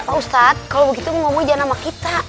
pak ustadz kalau begitu ngomong ijalan sama kita